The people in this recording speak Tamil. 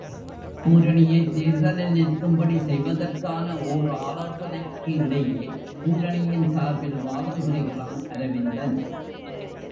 பூரணியைத் தேர்தலில் நிற்கும்படி செய்வதற்கான ஓர் ஆலோசனைக்கு இடையே பூரணியின் சார்பில் வாதம் புரிகிறான் அரவிந்தன்.